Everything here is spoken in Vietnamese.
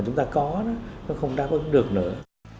chúng ta có nó không đáp ứng được nữa